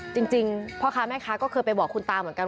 จริงพ่อค้าแม่ค้าก็เคยไปบอกคุณตาเหมือนกัน